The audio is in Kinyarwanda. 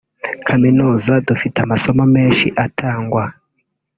“Kaminuza dufite amasomo menshi atangwa